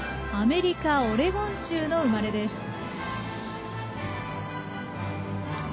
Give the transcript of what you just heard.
アメリカ・オレゴン州の生まれです。